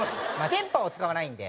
電波を使わないんで。